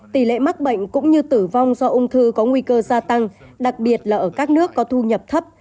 tỷ lệ mắc bệnh cũng như tử vong do ung thư có nguy cơ gia tăng đặc biệt là ở các nước có thu nhập thấp